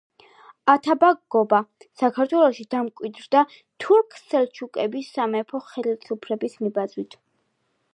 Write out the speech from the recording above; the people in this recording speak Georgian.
ათაბაგობა საქართველოში დამკვიდრდა თურქ სელჯუკების სამეფო ხელისუფლების მიბაძვით.